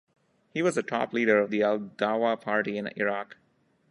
He was a top leader of the Al-Da'wa Party in Iraq.